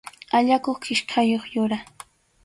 Allakuq kichkayuq yura.